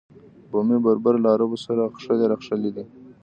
بومي بربر له عربو سره اخښلي راخښلي دي.